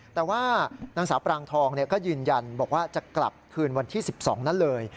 แต่ว่านางสาวปรางทองก็ยืนยันบอกว่าจะกลับคืนวันที่๑๒นั้นเลย